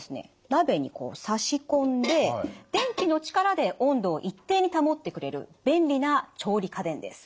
鍋にこう差し込んで電気の力で温度を一定に保ってくれる便利な調理家電です。